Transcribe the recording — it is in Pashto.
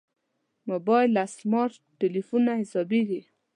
موبایل له سمارټ تلېفونه حسابېږي.